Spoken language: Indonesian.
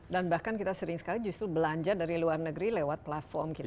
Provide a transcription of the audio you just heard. dan bahkan kita sering sekali justru belanja dari luar negeri lewat platform kita di sini